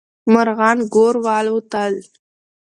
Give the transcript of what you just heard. مارغان ګور والوتل.